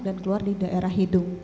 dan keluar di daerah hidung